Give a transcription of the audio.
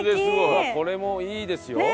うわっこれもいいですよ。